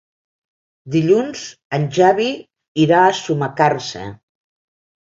Dilluns en Xavi irà a Sumacàrcer.